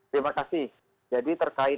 terima kasih jadi terkait